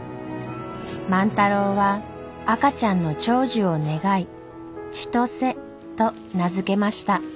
万太郎は赤ちゃんの長寿を願い千歳と名付けました。